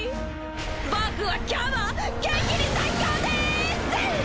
僕は今日も元気に最強です！